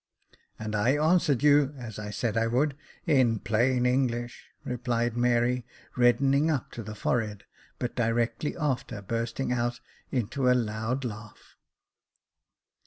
" And I answered you, as I said I would, in plain English," replied Mary, reddening up to the forehead, but directly after bursting out into a loud laugh.